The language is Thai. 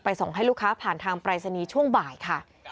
ส่งให้ลูกค้าผ่านทางปรายศนีย์ช่วงบ่ายค่ะ